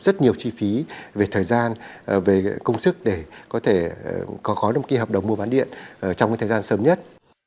rất nhiều chi phí về thời gian về công sức để có thể có khói đồng kia hợp đồng mua bán điện trong thời gian sớm nhất